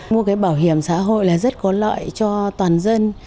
mua cái bảo hiểm xã hội là rất có lợi cho toàn dân